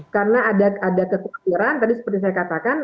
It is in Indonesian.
karena ada kekhawatiran tadi seperti saya katakan